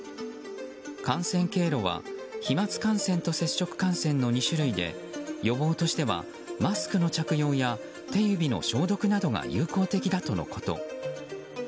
感染経路は飛沫感染と接触感染の２種類で予防としてはマスクの着用や手指の消毒などが有効的だとのこと。